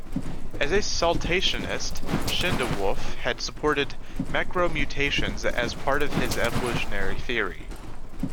As a saltationist Schindewolf had supported macromutations as part of his evolutionary theory.